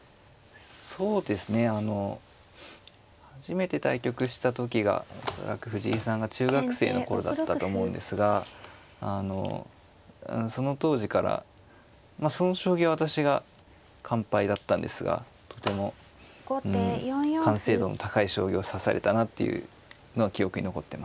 そうですねあの初めて対局した時が恐らく藤井さんが中学生の頃だったと思うんですがあのその当時からその将棋は私が完敗だったんですがとてもうん完成度の高い将棋を指されたなっていうのは記憶に残ってます。